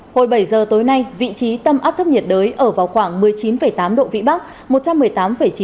hồi bảy giờ tối nay vị trí tâm áp thấp nhiệt đới ở vào khoảng một mươi chín tám độ vĩ bắc chín